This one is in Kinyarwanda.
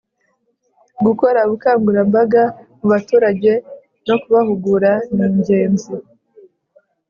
Gukora ubukangurambaga mu baturage no kubahugura ningenzi